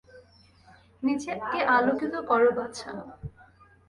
নিজেকে আলোকিত করো, বাছা!